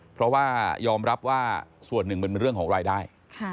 เพราะว่ายอมรับว่าส่วนหนึ่งมันเป็นเรื่องของรายได้